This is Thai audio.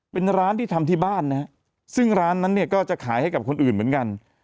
เป็นร้านที่ทำที่บ้านนะฮะซึ่งร้านนั้นเนี่ยก็จะขายให้กับคนอื่นเหมือนกัน